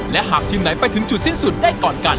และหากทีมไหนไปถึงจุดสิ้นสุดได้ก่อนกัน